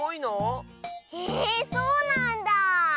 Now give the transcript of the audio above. へえそうなんだ。